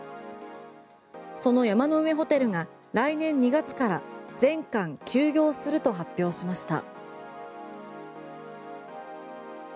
その山の上ホテルが来年２月から全館休業すると発表しました。